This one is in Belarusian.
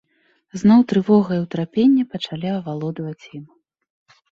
Зноў трывога і ўтрапенне пачалі авалодваць ім.